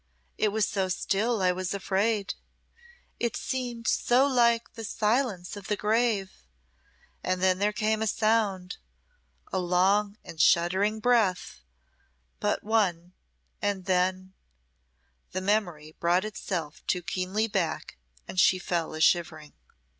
It was so still I was afraid; it seemed so like the silence of the grave; and then there came a sound a long and shuddering breath but one and then " The memory brought itself too keenly back, and she fell a shivering.